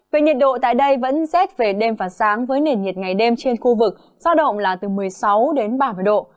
về nhiệt độ tại đây vẫn rét về đêm và sáng với nền nhiệt ngày đêm trên khu vực giao động là từ một mươi sáu đến ba mươi độ